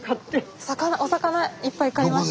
お魚いっぱい買いましたか？